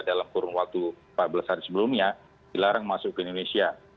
dalam kurun waktu empat belas hari sebelumnya dilarang masuk ke indonesia